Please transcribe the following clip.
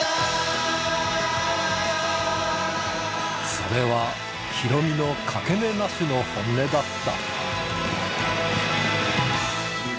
それはヒロミの掛け値なしの本音だった。